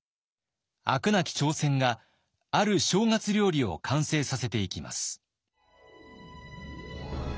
飽くなき挑戦がある正月料理を完成させていきます。